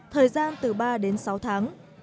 thời gian từ ba đến sáu tháng